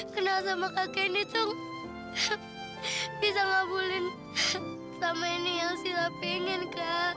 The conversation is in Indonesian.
kenal sama kak kendi tuh bisa ngabulin sama ini yang silla pengen kak